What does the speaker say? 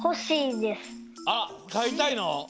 あっかいたいの？